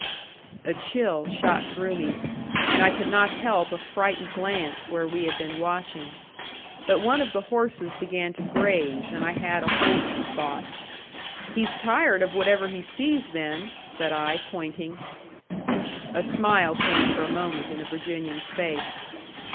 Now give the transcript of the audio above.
A chill shot through me, and I could not help a frightened glance where we had been watching. But one of the horses began to graze and I had a wholesome thought. "He's tired of whatever he sees, then," said I, pointing. A smile came for a moment in the Virginian's face.